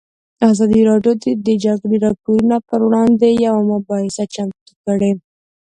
ازادي راډیو د د جګړې راپورونه پر وړاندې یوه مباحثه چمتو کړې.